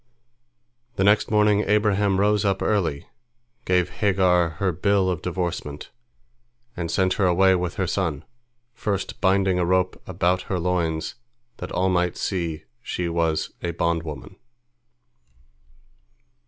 The next morning Abraham rose up early, gave Hagar her bill of divorcement, and sent her away with her son, first binding a rope about her loins that all might see she was a bondwoman.